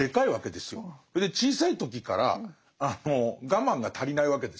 それで小さい時から我慢が足りないわけですよ。